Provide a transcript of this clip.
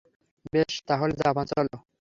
বেশ, তাহলে জাপান চল।